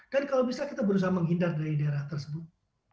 dan kalau bisa kita berusaha menghindar dari daerah tersebut